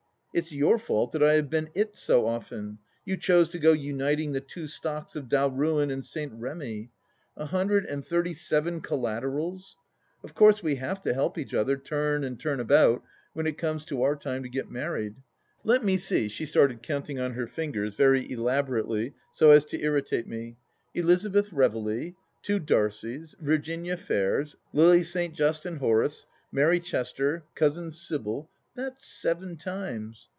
It's your fault that I have been it so often ; you chose to go uniting the two stocks of Dalruan and St. Remy. A hundred and thirty seven collaterals ! Of course we have to help each other, turn and turn about, when it comes to our time to get married. ... Let me see "— she started counting on her fingers, very elaborately, so as to irritate me —" Elizabeth Reveley — ^two Darcies — Virginia Fairs — Lily St. Just and Horace — Mary Chester— Cousin Sybil — that's seven times.